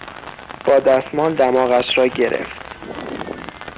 با دستمال دماغش را گرفت.